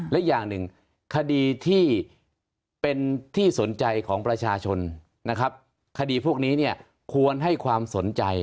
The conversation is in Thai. และอย่างหนึ่งคดีที่เป็นที่สนใจของประชาชนนะครับคดีพวกนี้เนี่ยควรให้ความสนใจ